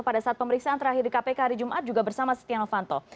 pada saat pemeriksaan terakhir di kpk hari jumat juga bersama setia novanto